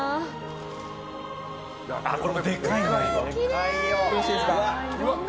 これもでかいな。